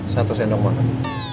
satu sendok banget